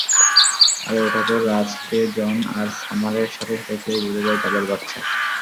আরে ওটা তো রাজ-কে জন আর সামারের সাথে দেখলেই বোঝা যায় তাদের বাচ্চা।